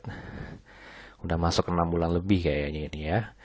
sudah masuk enam bulan lebih kayaknya ini ya